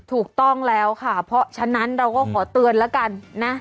ถูกต้องแล้วค่ะเพราะฉะนั้นเราก็ขอเตือนแล้วกันนะ